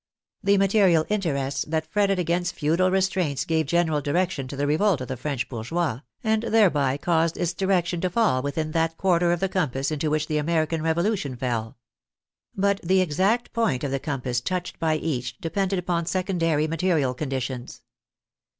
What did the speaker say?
The material interests that fretted against feudal restraints gave general direction to the revolt of the French bourgeois, and thereby caused its direction to fall within that quarter of the compass into which the American Revolution fell. But the exact point of the compass touched by each depended upon secondary material conditions.